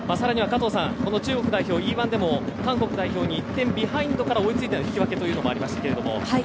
この中国代表Ｅ‐１でも韓国代表に１点ビハインドから追いついての引き分けというのもありましたが。